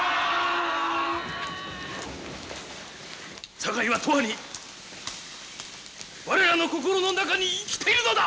堺は永遠に我らの心の中に生きているのだ！